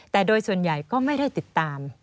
แต่โดยส่วนใหญ่ก็ไม่ได้ติดตาม